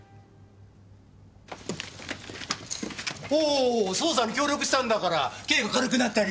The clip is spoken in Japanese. おうおうおう捜査に協力したんだから刑が軽くなったり。